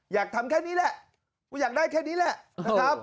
อยากทำแค่นี้แหละกูอยากได้แค่นี้แหละนะครับ